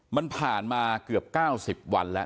มันผ่านมาเกือบ๙๐วันแล้ว